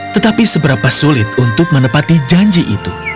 tetapi seberapa sulit untuk menepati janji itu